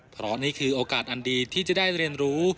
เพราะนี่คือโอกาสอันดีที่จะได้เรียนรู้